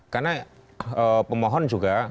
karena pemohon juga